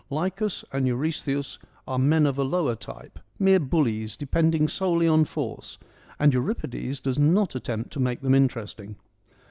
Lycus and Eurystheus are men of a lower type, mere bullies depending solely on force, and Euripides does not attempt to make them interesting.